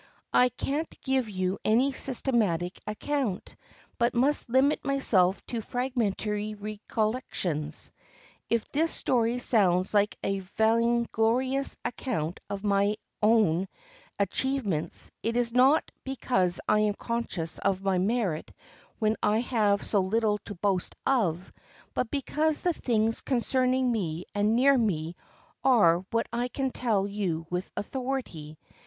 I can't give you any systematic account, but must limit myself to fragmentary recollections. If this story sounds like a vainglorious account of my own 452 THE ATTACK UPON PORT ARTHUR achievements, it is not because I am conscious of my merit when I have so little to boast of, but because the things concerning me and near me are what I can tell you with authority.